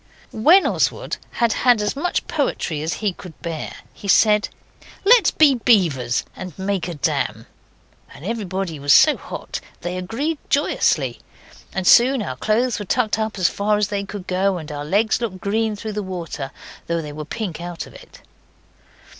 When Oswald had had as much poetry as he could bear he said, 'Let's be beavers and make a dam.' And everybody was so hot they agreed joyously, and soon our clothes were tucked up as far as they could go and our legs looked green through the water, though they were pink out of it.